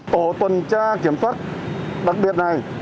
tổ tuần tra kiểm soát đặc biệt này